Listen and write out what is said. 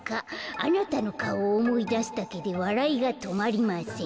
あなたのかおをおもいだすだけでわらいがとまりません」。